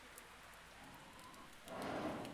Tras este período, comenzó a estudiar Teología en el St.